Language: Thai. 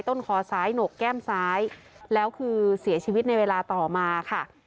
ต้นคอซ้ายหนกแก้มซ้ายแล้วคือเสียชีวิตในเวลาต่อมาค่ะ